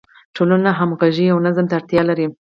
ټولنه همغږي او نظم ته اړتیا لري.